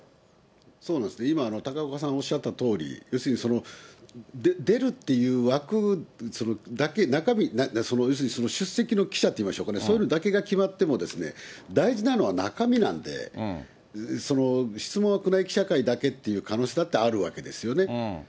そうなんですね、今、高岡さん、おっしゃったとおり、要するに、出るっていう枠だけ、中身、要するに出席の記者っていいますかね、そういうのだけが決まっても、大事なのは中身なんで、質問は宮内記者会だけっていう可能性だってあるわけですよね。